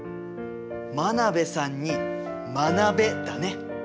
真鍋さんに学べだね。